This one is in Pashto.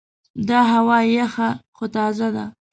دا هوا یخه خو تازه ده.